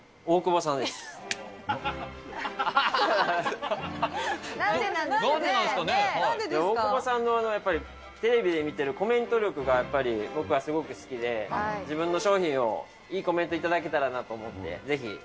大久保さんのやっぱりテレビで見ているコメント力がやっぱり僕はすごく好きで、自分の商品をいいコメント頂けたらなと思って、ぜひ。